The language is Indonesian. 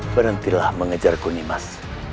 berhentilah mengejarku nimas